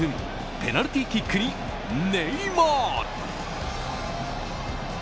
ペナルティーキックにネイマール。